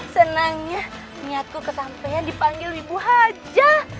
senangnya niatku kesampean dipanggil ibu haja